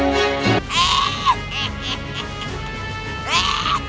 tapi jangan cepat